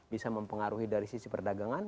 bisa mempengaruhi dari sisi perdagangan